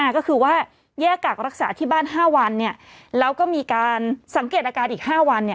ก็คือว่าแยกกักรักษาที่บ้าน๕วันแล้วก็มีการสังเกตอาการอีก๕วัน